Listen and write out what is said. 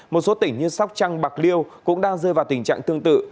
một số tỉnh như sóc trăng bạc liêu cũng đang rơi vào tình trạng tương tự